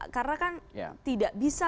karena kan tidak bisa